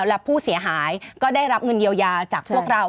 และผู้เสียหายก็ได้รับเงินเยียวยาจากพวกเรา